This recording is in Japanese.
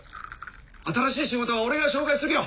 新しい仕事は俺が紹介するよ。